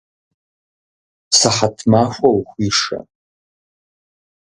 Сыхьэт махуэ ухуишэ!